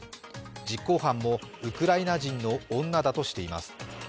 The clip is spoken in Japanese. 実行犯もウクライナ人の女だとしています。